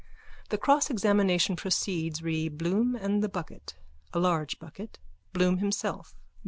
(The crossexamination proceeds re _Bloom and the bucket. A large bucket. Bloom himself.